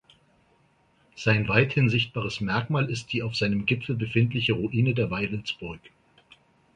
Sein weithin sichtbares Merkmal ist die auf seinem Gipfel befindliche Ruine der Weidelsburg.